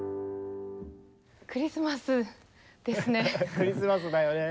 クリスマスだよね。